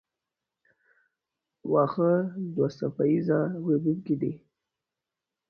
واښه دوه څپه ایزه وییکي دي.